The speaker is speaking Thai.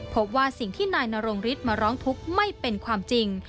พบว่าสิ่งที่นายนรงฤทธิ์มาร้องทุกข์ไม่เป็นความจริง